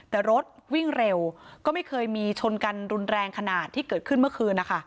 แต่รถวิ่งเร็วก็ไม่เคยมีชนกันรุนแรงขนาดที่เกิดขึ้นเมื่อคืนนะคะ